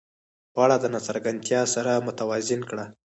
په اړه د ناڅرګندتیا سره متوازن کړه.